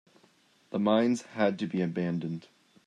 The mines had to be abandoned.